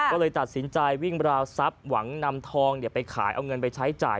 ก็เลยตัดสินใจวิ่งราวทรัพย์หวังนำทองไปขายเอาเงินไปใช้จ่าย